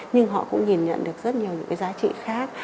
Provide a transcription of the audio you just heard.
nhưng họ cũng nhìn nhận được rất nhiều những cái giá trị khác